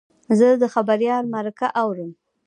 زه د خبریال مرکه اورم.